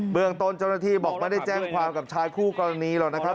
เมืองต้นเจ้าหน้าที่บอกไม่ได้แจ้งความกับชายคู่กรณีหรอกนะครับ